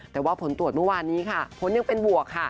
แต่ว่าผลตรวจเมื่อวานนี้ค่ะผลยังเป็นบวกค่ะ